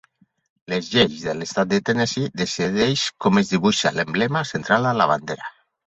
Les lleis de l"estat de Tennessee decideix com es dibuixa l"emblema central a la bandera.